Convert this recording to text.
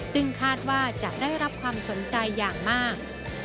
ซึ่งคาดว่าจะได้รับความสนใจอย่างมาก